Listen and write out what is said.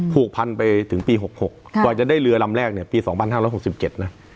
ผูกพันไปถึงปี๖๖กว่าจะได้เรือลำแรกเนี่ยปี๒๕๖๗นะ